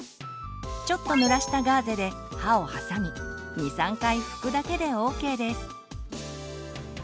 ちょっとぬらしたガーゼで歯を挟み２３回ふくだけでＯＫです。